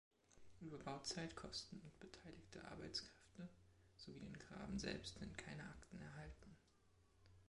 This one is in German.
Über Bauzeit, Kosten und beteiligte Arbeitskräfte sowie den Graben selbst sind keine Akten erhalten.